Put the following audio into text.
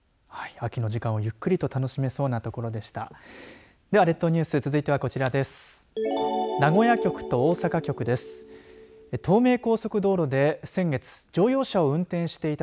秋の時間をゆっくりと楽しめそうな所でした。